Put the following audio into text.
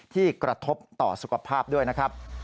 กระทบต่อสุขภาพด้วยนะครับ